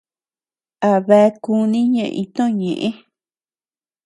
A bea kuni ñee iñtoʼö ñeʼë.